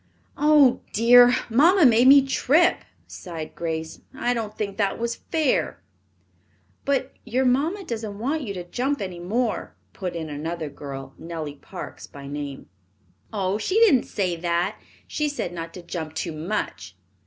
"Oh, dear, mamma made me trip," sighed Grace. "I don't think that was fair." "But your mamma doesn't want you to jump any more," put in another girl, Nellie Parks by name. "Oh, she didn't say that. She said not to jump too much."